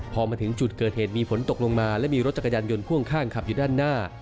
พอมาถึงจุดเกิดเหตุมีฝนตกลงมาและมีรถจักรยานยนต์พ่วงข้างขับอยู่ด้านหน้า